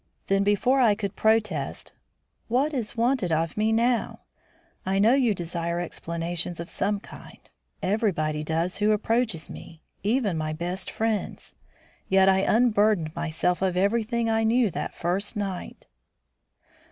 Then, before I could protest, "What is wanted of me now? I know you desire explanations of some kind; everybody does who approaches me; even my best friends. Yet I unburdened myself of everything I knew that first night."